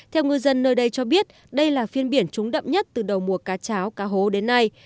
theo ngư dân nơi đây cho biết đây là phiên biển trúng đậm nhất từ đầu mùa cá cháo cá hố đến nay